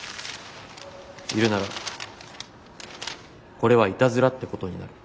いるならこれはイタズラってことになる。